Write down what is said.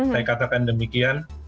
saya katakan demikian